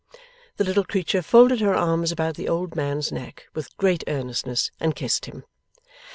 The little creature folded her arms about the old man's neck with great earnestness, and kissed him.